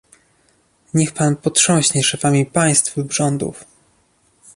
niech pan potrząśnie szefami państw lub rządów!